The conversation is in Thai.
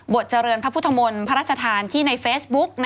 เจริญพระพุทธมนต์พระราชทานที่ในเฟซบุ๊ก